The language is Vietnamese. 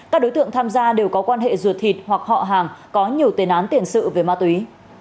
các đối tượng tham gia đều có quan hệ ruột thịt hoặc họ hàng có nhiều tên án tiền sự về ma túy